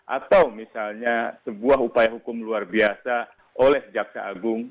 atau misalnya sebuah upaya hukum luar biasa oleh jaksa agung